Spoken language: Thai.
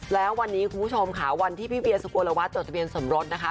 แล้ววันนี้คุณผู้ชมค่ะวันที่พี่เวียสุโกลวัตจดทะเบียนสมรสนะคะ